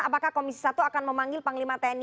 apakah komisi satu akan memanggil panglima tni